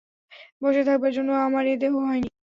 বসে থাকবার জন্য আমার এ দেহ হয়নি।